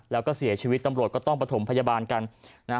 แล้วก็เสียชีวิตตำรวจก็ต้องประถมพยาบาลกันนะฮะ